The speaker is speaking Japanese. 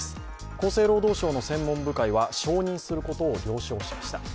厚生労働省の専門部会は承認することを了承しました。